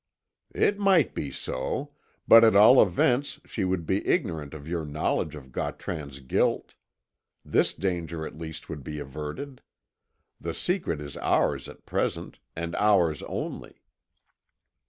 "It might be so but at all events she would be ignorant of your knowledge of Gautran's guilt. This danger at least would be averted. The secret is ours at present, and ours only."